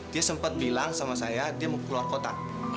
dia sempat bilang sama saya dia mau keluar kota